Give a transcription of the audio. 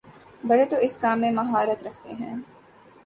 بڑے تو اس کام میں مہارت رکھتے تھے۔